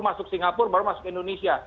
masuk singapura baru masuk indonesia